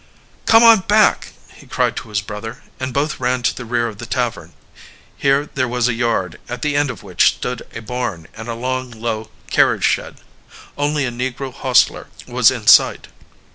"Come on back!" he cried to his brother, and both ran to the rear of the tavern. Here there was a yard, at the end of which stood a barn and a long, low carriage shed. Only a negro hostler was in sight.